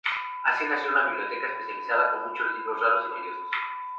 Así nació una biblioteca especializada con muchos libros raros y valiosos.